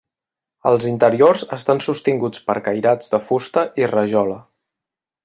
Els interiors estan sostinguts per cairats de fusta i rajola.